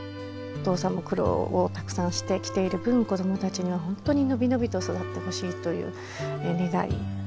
お父さんも苦労をたくさんしてきている分子供たちには本当に伸び伸びと育ってほしいという願い。